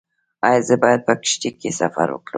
ایا زه باید په کښتۍ کې سفر وکړم؟